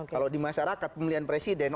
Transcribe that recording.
kalau di masyarakat pemilihan presiden